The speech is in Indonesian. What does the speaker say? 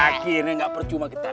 akhirnya gak percuma kita ya